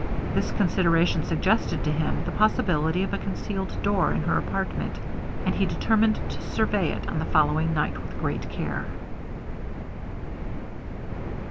This consideration suggested to him the possibility of a concealed door in her apartment, and he determined to survey it on the following night with great care.